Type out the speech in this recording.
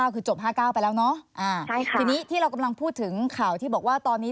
คือจบ๕๙ไปแล้วเนอะทีนี้ที่เรากำลังพูดถึงข่าวที่บอกว่าตอนนี้